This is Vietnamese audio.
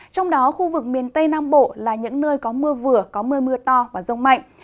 trong đó khu vực miền tây nam bộ là những nơi có mưa vừa có mưa mưa to và rông mạnh